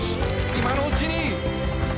今のうちに」